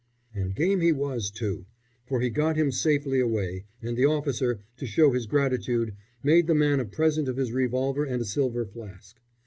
And game he was, too, for he got him safely away, and the officer, to show his gratitude, made the man a present of his revolver and a silver flask.